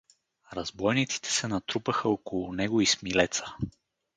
Разбойниците се натрупаха около него и Смилеца.